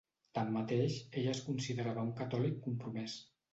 Tanmateix, ell es considerava un catòlic compromès.